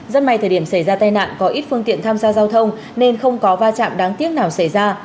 rất may thời điểm xảy ra tai nạn có ít phương tiện tham gia giao thông nên không có va chạm đáng tiếc nào xảy ra